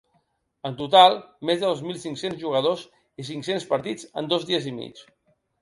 En total, més de dos mil cinc-cents jugadors i cinc-cents partits en dos dies i mig.